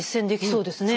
うんそうですね。